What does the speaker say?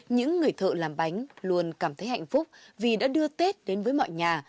những người thợ làm bánh luôn cảm thấy hạnh phúc vì đã đưa tết đến với mọi nhà